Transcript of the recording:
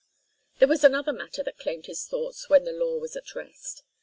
There was another matter that claimed his thoughts when the law was at rest.